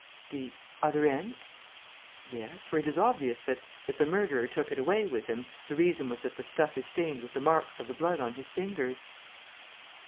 "The other end?" "Yes, for it is obvious that, if the murderer took it away with him, the reason was that the stuff is stained with the marks of the blood on his fingers."